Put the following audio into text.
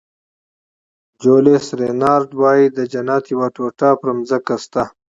جولیس رینارډ وایي د جنت یوه ټوټه په ځمکه شته.